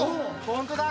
ホントだ。